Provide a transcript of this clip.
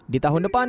di tahun depan